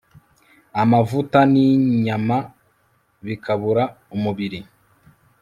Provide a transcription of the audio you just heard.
amavuta n'inyama bikabura umubiri